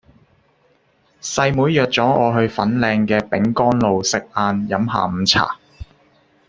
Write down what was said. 細妹約左我去粉嶺嘅丙岡路食晏飲下午茶